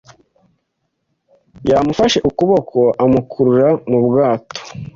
Yamufashe ukuboko amukurura mu bwato.